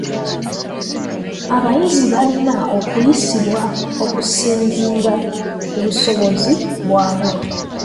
Abayizi balina okuyisibwa okusinziira ku busobozi bwabwe.